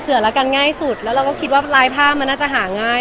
ละกันง่ายสุดแล้วเราก็คิดว่าลายผ้ามันน่าจะหาง่าย